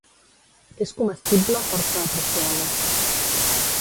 És comestible força apreciada.